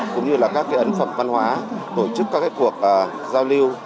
cũng như là các ấn phẩm văn hóa tổ chức các cuộc giao lưu